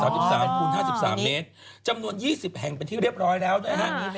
๓๓คูณ๕๓เมตรจำนวน๒๐แห่งเป็นที่เรียบร้อยแล้วนะฮะ